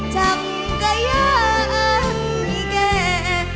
จังกระยะอันแก่